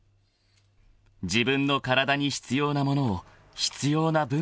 ［自分の体に必要なものを必要な分だけ］